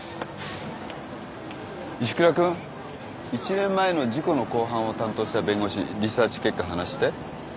石倉君１年前の事故の公判を担当した弁護士リサーチ結果話して。